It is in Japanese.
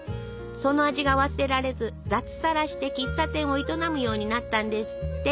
その味が忘れられず脱サラして喫茶店を営むようになったんですって。